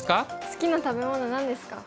好きな食べ物何ですか？